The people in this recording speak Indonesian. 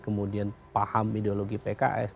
kemudian paham ideologi pks